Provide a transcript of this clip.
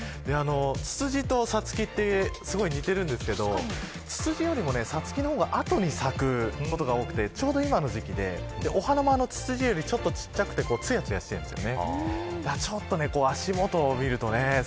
ツツジとサツキってすごい似ているんですけどツツジよりもサツキの方が後に咲くことが多くてちょうど今の時期で、お花もツツジより小さくて艶々しているんです。